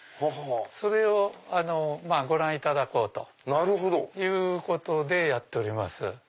それをご覧いただこうということでやっております。